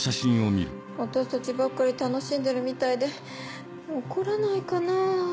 私たちばっかり楽しんでるみたいで怒らないかなぁ。